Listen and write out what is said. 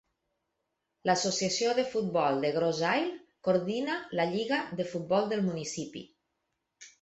L'Associació de Futbol de Grosse Ile coordina la lliga de futbol del municipi.